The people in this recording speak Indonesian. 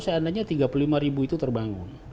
seandainya tiga puluh lima ribu itu terbangun